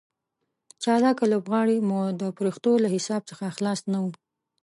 چالاکه لوبغاړي مو د فرښتو له حساب څخه خلاص نه وو.